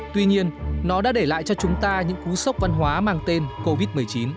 tuy nhiên nó đã để lại cho chúng ta những cú sốc văn hóa mang tên covid một mươi chín